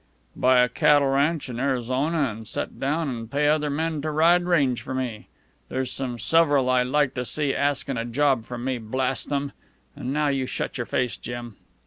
"Buy a cattle ranch in Arizona an' set down an' pay other men to ride range for me. There's some several I'd like to see askin' a job from me, blast them! An' now you shut your face, Jim.